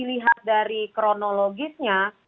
dilihat dari kronologisnya